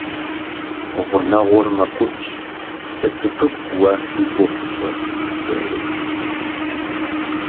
Гъунэгъур мэгубжь, сыт выгу уэ зи гугъу пщӀыр, жери.